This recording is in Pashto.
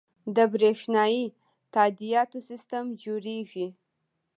د بریښنایی تادیاتو سیستم جوړیږي